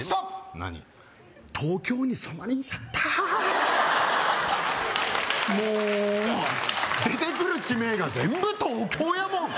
東京に染まりんしゃったもう出てくる地名が全部東京やもん！